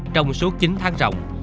trong suốt chín tháng rộng